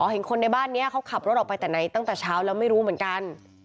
เห็นคนในบ้านนี้เขาขับรถออกไปแต่ไหนตั้งแต่เช้าแล้วไม่รู้เหมือนกัน